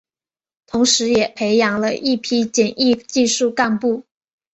同时也培养了一批检疫技术干部。